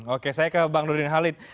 oke saya ke bang nurdin halid